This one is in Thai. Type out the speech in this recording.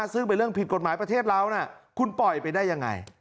ซึ่งเป็นเรื่องผิดกฎหมายประเทศเราคุณปล่อยไปได้ยังไง